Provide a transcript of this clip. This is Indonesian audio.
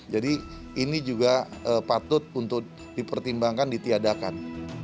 jadi ini juga patut untuk dipertimbangkan ditiadakan